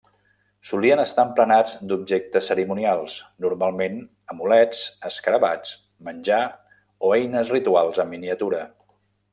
Solien estar emplenats d'objectes cerimonials, normalment amulets, escarabats, menjar o eines rituals en miniatura.